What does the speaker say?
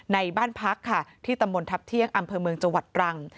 ในบ้านพักค่ะที่ตำบลทัพเที่ยงอำเภอเมืองจังหวัดตรัง